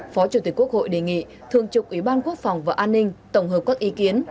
phó chủ tịch quốc hội đề nghị thường trục ủy ban quốc phòng và an ninh tổng hợp các ý kiến